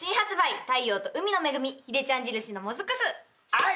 はい。